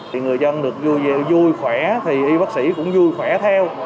thì người dân được vui khỏe thì y bác sĩ cũng vui khỏe theo